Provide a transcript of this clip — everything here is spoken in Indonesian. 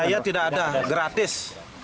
biaya tidak ada gratis